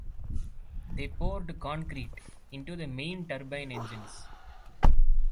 They poured concrete into the main turbine engines.